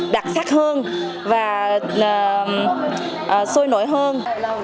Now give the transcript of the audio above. đặc sắc hơn và sôi nổi hơn